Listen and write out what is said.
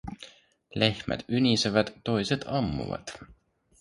Lehmät ynisevät, toiset ammuvat.